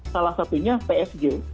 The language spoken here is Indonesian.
salah satunya psg